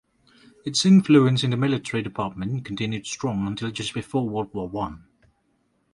Its influence in the Military Department continued strong until just before World War One.